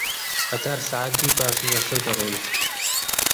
قەتار سەعات دووی پاش نیوەشەو دەڕۆیشت